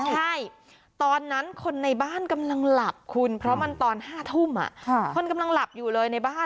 ใช่ตอนนั้นคนในบ้านกำลังหลับคุณเพราะมันตอน๕ทุ่มคนกำลังหลับอยู่เลยในบ้าน